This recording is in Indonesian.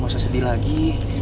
gak usah sedih lagi